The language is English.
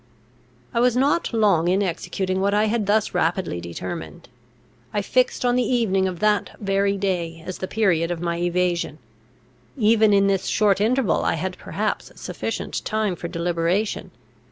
I was not long in executing what I had thus rapidly determined. I fixed on the evening of that very day as the period of my evasion. Even in this short interval I had perhaps sufficient time for deliberation.